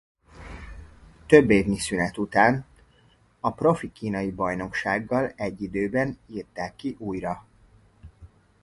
Több évnyi szünet után a profi kínai bajnoksággal egy időben írták ki újra.